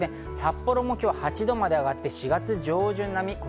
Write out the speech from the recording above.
札幌も今日は８度まで上がって、４月上旬並み。